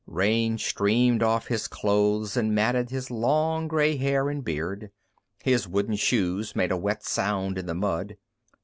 Rain streamed off his clothes and matted his long gray hair and beard. His wooden shoes made a wet sound in the mud.